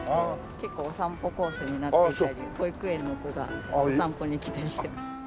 結構お散歩コースになっていたり保育園の子がお散歩に来たりして。